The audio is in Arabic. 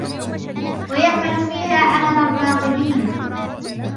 وَيَعْمَلُ فِيهَا عَمَلَ الرَّاغِبِينَ